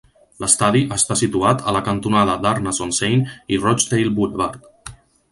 L'estadi està situat a la cantonada d'Arnason Saint i Rochdale Blvd.